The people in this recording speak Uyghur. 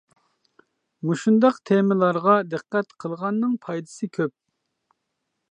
مۇشۇنداق تېمىلارغا دىققەت قىلغاننىڭ پايدىسى كۆپ.